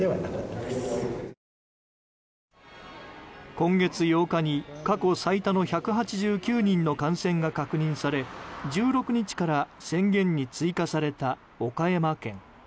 今月８日に過去最多の１８９人の感染が確認され１６日から宣言に追加された岡山県。